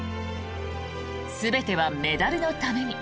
全てはメダルのために。